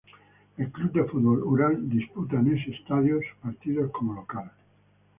El club de fútbol Ural disputa en este estadio sus partidos como local.